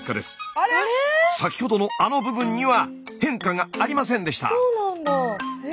あれ⁉先ほどのあの部分には変化がありませんでした。